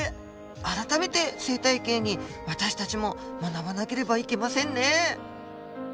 改めて生態系に私たちも学ばなければいけませんね！